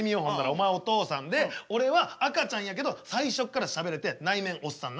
お前お父さんで俺は赤ちゃんやけど最初からしゃべれて内面おっさんな。